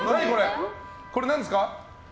これ何ですか？